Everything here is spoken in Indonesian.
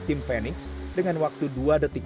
tim fenix dengan waktu dua detik